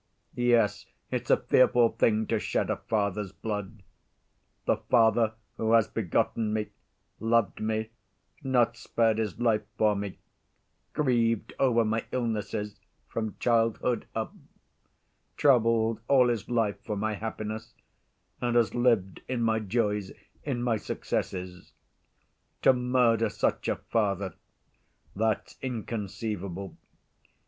"Yes, it's a fearful thing to shed a father's blood—the father who has begotten me, loved me, not spared his life for me, grieved over my illnesses from childhood up, troubled all his life for my happiness, and has lived in my joys, in my successes. To murder such a father—that's inconceivable.